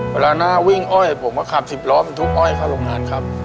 เวลาหน้าวิ่งอ้อยผมก็ขับสิบล้อบรรทุกอ้อยเข้าโรงงานครับ